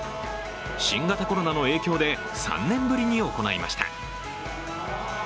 新型コロナの影響で３年ぶりに行いました。